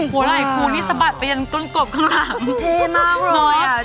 หัวไหลฟูนสะบัดไปจนต้นกลบครั้งหลัง